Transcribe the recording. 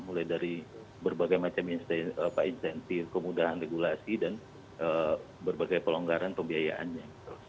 mulai dari berbagai macam insentif kemudahan regulasi dan berbagai pelonggaran pembiayaannya